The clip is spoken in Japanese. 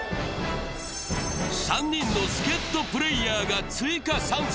３人の助っとプレーヤーが追加参戦。